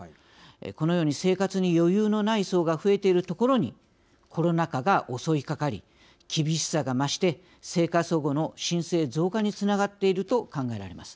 このように生活に余裕のない層が増えているところにコロナ禍が襲いかかり厳しさが増して生活保護の申請増加につながっていると考えられます。